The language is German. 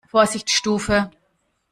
Vorsicht Stufe!